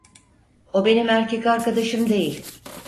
O benim erkek arkadaşım değil.